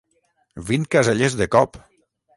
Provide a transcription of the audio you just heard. Vint caselles de cop!